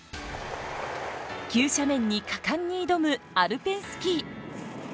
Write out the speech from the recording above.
急斜面に果敢に挑むアルペンスキー。